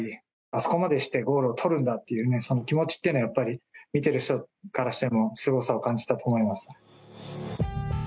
あそこまでしてゴールを取るんだっていう気持ちっていうのはやっぱり、見てる人からしてもすごさを感じたと思います。